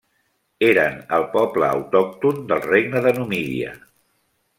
Eren el poble autòcton del regne de Numídia.